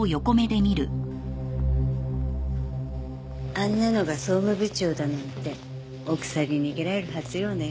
あんなのが総務部長だなんて奥さんに逃げられるはずよね。